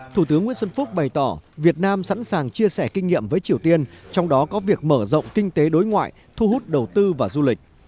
thủ tướng nguyễn xuân phúc bày tỏ việt nam sẵn sàng chia sẻ kinh nghiệm với triều tiên trong đó có việc mở rộng kinh tế đối ngoại thu hút đầu tư và du lịch